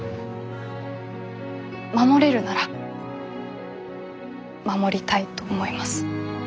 守れるなら守りたいと思います。